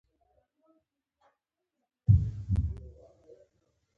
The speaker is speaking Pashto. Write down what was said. د ګټو د تبادلې اصل باید په مساواتو ولاړ وي